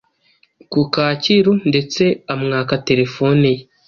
ku Kacyiru, ndetse amwaka telefone ye.